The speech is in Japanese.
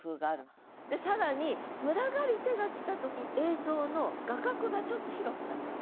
で更に「群がりて」が来た時映像の画角がちょっと広くなってる。